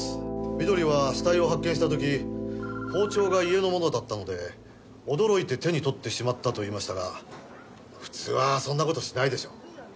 美登里は死体を発見した時包丁が家のものだったので驚いて手に取ってしまったと言いましたが普通はそんな事しないでしょう。